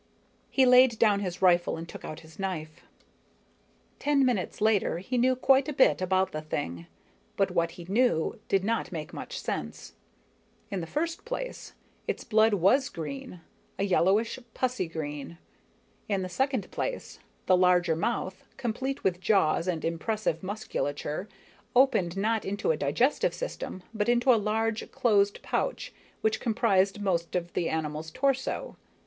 He laid down his rifle and took out his knife. Ten minutes later, he knew quite a bit about the thing, but what he knew did not make much sense. In the first place, its blood was green, a yellowish pussy green. In the second place, the larger mouth, complete with jaws and impressive musculature, opened not into a digestive system, but into a large closed pouch which comprised most of the animal's torso.